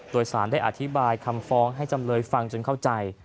โดยสารได้อธิบายคำฟ้องให้จำเลยฟังจนเข้าใจ